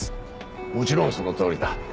もちろんそのとおりだ。